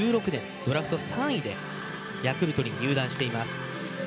ドラフト３位でヤクルトに入団しています。